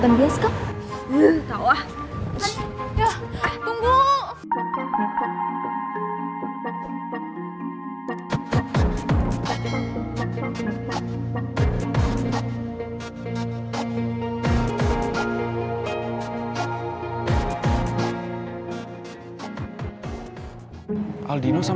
terima kasih bapak